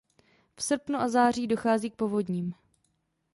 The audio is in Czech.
V srpnu a září dochází k povodním.